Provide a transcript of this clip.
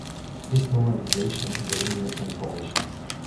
This normalization is a linear transformation.